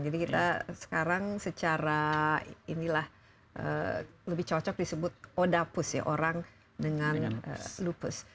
jadi kita sekarang secara inilah lebih cocok disebut odapus ya orang dengan lupus